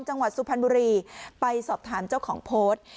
จังหวัดสุพรรณบุรีไปสอบถามเจ้าของโพสต์